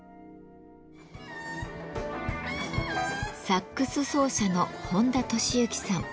サックス奏者の本多俊之さん。